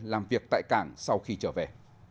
làm việc tại cảng sau khi trở về